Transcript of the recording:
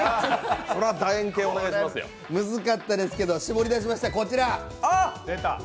コレ、ムズかったですけど、絞り出しました、こちら。